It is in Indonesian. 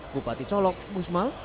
bupati solok gusmal